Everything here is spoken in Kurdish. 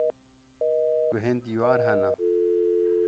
Guhên dîwar hene.